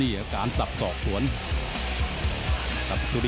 นี่ยังทำผิด